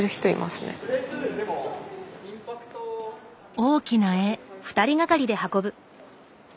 大きな絵。